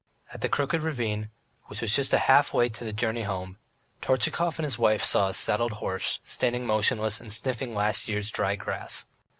At the Crooked Ravine, which was just half way on the journey home, Tortchakov and his wife saw a saddled horse standing motionless, and sniffing last year's dry grass.